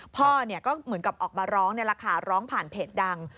พ่อเหมือนกับออกมาร้องร้องผ่านเพจดัง